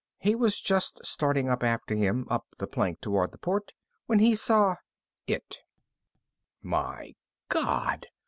He was just starting up after him, up the plank toward the port, when he saw it. "My God!"